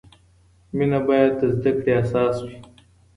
مینه باید د زده کړې اساس وي.